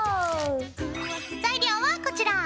材料はこちら！